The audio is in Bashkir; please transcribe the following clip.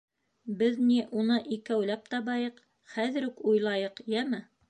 Беҙ, ни, уны икәүләп табайыҡ, хәҙер үк уйлайыҡ, йәме?